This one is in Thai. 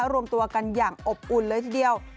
รวมตัวกันอย่างอบอุ่นเลยทีเดียว